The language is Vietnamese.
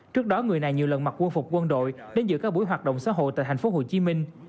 trước đó người này nhiều lần mặc quân phục quân đội đến giữa các buổi hoạt động xã hội tại thành phố hồ chí minh